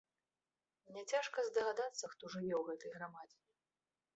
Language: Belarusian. Няцяжка здагадацца, хто жыве ў гэтай грамадзіне.